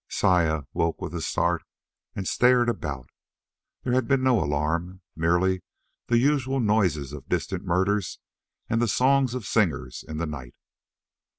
Saya woke with a start and stared about. There had been no alarm, merely the usual noises of distant murders and the songs of singers in the night.